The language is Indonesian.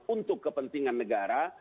untuk kepentingan negara